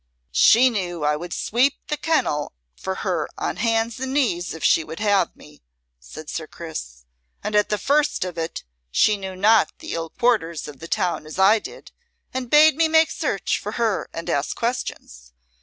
"She knew I would sweep the kennel for her on hands and knees if she would have me," said Sir Chris, "and at the first of it she knew not the ill quarters of the town as I did, and bade me make search for her and ask questions.